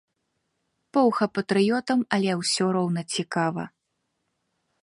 Поўха патрыётам, але ўсё роўна цікава.